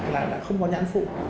là đã không có nhãn phụ